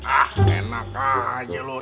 ah enak aja loh